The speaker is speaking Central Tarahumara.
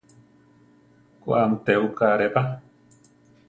Ku á a mu tébuka aré pa.